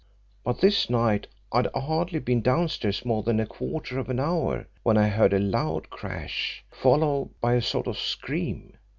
But this night, I'd hardly been downstairs more than a quarter of an hour, when I heard a loud crash, followed by a sort of scream.